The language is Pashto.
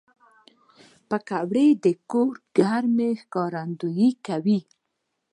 پکورې د کور ګرمۍ ښکارندويي کوي